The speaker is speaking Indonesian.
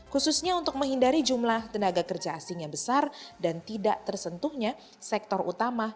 khususnya untuk menghindari jumlah tenaga kerja asing yang besar dan tidak tersentuhnya sektor utama